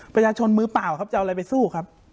ประชาชนมือเปล่าครับจะเอาอะไรไปสู้ครับ